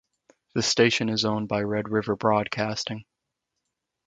The station is owned by Red River Broadcasting.